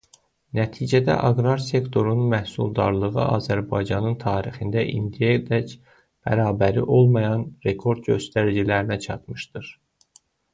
Nəticədə aqrar sektorun məhsuldarlığı Azərbaycanın tarixində indiyədək bərabəri olmayan rekord göstəricilərinə çatmışdır.